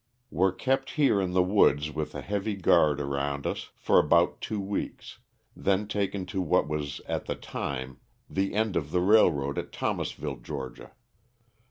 Were kept here in the woods with a heavy guard around us for about two weeks, then taken to what was at the time the end of the railroad at Thomasville, Ga.